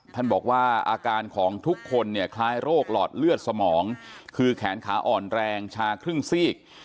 ท่านบอกว่าอาการของทุกคนเนี่ยคล้ายโรคหลอดเลือดสมองคือแขนขาอ่อนแรงชาครึ่งซีก